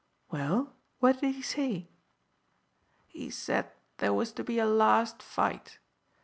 "Well, what did he say?" "He said there was to be a last fight.